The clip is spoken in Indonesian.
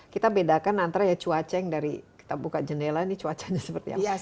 kita bedakan antara ya cuaca yang dari kita buka jendela ini cuacanya seperti apa